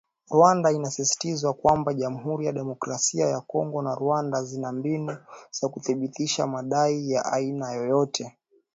Rwanda inasisitizwa kwamba Jamuhuri ya Demokrasia ya Kongo na Rwanda zina mbinu za kuthibitisha madai ya aina yoyote